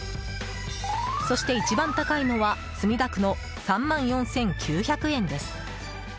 そして一番高いのは墨田区の３万４９００円です。